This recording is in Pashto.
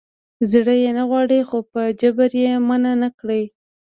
زړه یې نه غواړي خو په جبر یې منع نه کړي.